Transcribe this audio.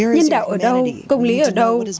nhân đạo ở đâu công lý ở đâu